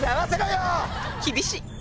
厳しい。